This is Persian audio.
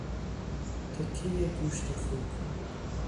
تکهی گوشت خوک